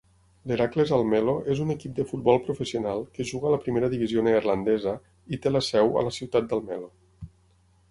L'Heracles Almelo és un equip de futbol professional que juga a la primera divisió neerlandesa i té la seu a la ciutat d'Almelo.